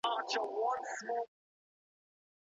طلاق ناوړه عمل دی.